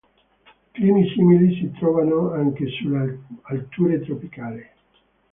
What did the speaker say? Climi simili si trovano anche sulle alture tropicali.